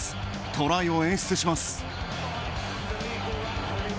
トライを演出します。